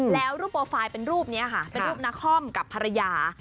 แล้วรูปโปรไฟล์เป็นรูปนี้ค่ะเป็นรูปนาคอมกับภรรยา